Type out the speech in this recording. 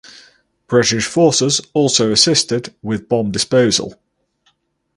British forces also assisted with bomb disposal.